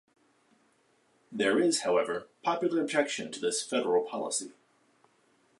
There is, however, popular objection to this federal policy.